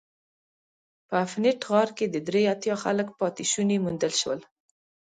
په افنټ غار کې د درې اتیا خلکو پاتې شوني موندل شول.